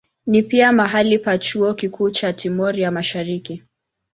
Ni pia mahali pa chuo kikuu cha Timor ya Mashariki.